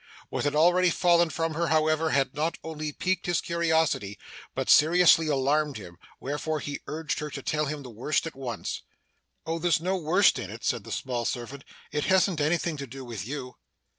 What had already fallen from her, however, had not only piqued his curiosity, but seriously alarmed him, wherefore he urged her to tell him the worst at once. 'Oh there's no worst in it,' said the small servant. 'It hasn't anything to do with you.